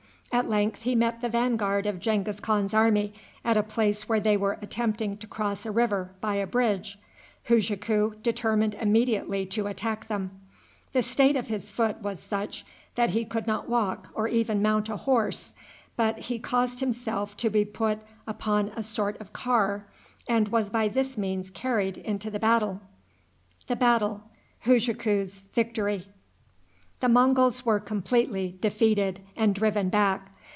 At length he met the vanguard of Genghis Khan's army at a place where they were attempting to cross a river by a bridge. Hujaku determined immediately to attack them. The state of his foot was such that he could not walk nor even mount a horse, but he caused himself to be put upon a sort of car, and was by this means carried into the battle. The Monguls were completely defeated and driven back.